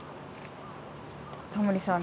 タモリさん